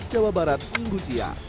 jawa barat ngusia